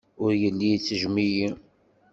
Ur yelli ittejjem-iyi.